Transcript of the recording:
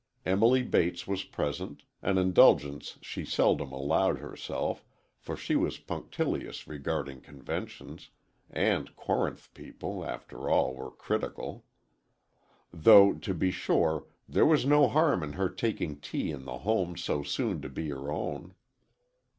Emily Bates was present; an indulgence she seldom allowed herself, for she was punctilious regarding conventions, and Corinth people, after all, were critical. Though, to be sure, there was no harm in her taking tea in the home so soon to be her own.